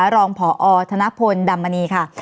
รองพอธนพลดำมณีค่ะ